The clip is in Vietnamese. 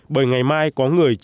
bởi ngày mai có người